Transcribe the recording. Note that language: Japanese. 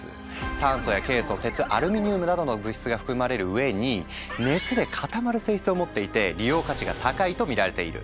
酸素やケイ素鉄アルミニウムなどの物質が含まれるうえに熱で固まる性質を持っていて利用価値が高いとみられている。